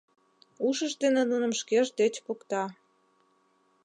Ушыж дене нуным шкеж деч покта.